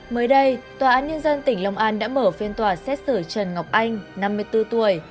mới đây tòa án nhân dân tỉnh long an đã mở phiên tòa xét xử trần ngọc anh năm mươi bốn tuổi